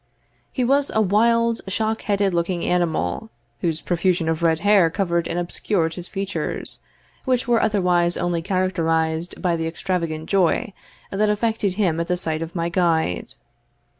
He was a wild shock headed looking animal, whose profusion of red hair covered and obscured his features, which were otherwise only characterised by the extravagant joy that affected him at the sight of my guide.